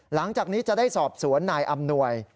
หลังจากนี้จะได้สอบสวนนายอำนวย